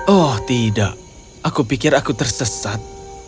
oh tidak aku pikir aku tersesat